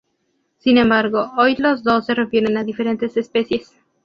Sin embargo, hoy los dos se refieren a diferentes especies.